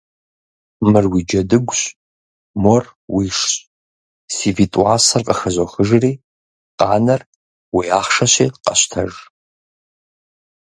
Мыр уи джэдыгущ, мор уишщ, си витӀ уасэр къыхызохыжри, къанэр уи ахъшэщи къэщтэж.